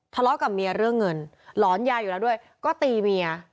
ทะเลาะกับเมียเรื่องเงินหลอนยาอยู่แล้วด้วยก็ตีเมีย